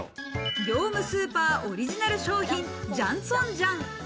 業務スーパーオリジナル商品、ジャンツォンジャン。